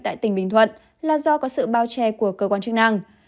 tại tỉnh bình thuận là do có sự bao che của cơ quan chức năng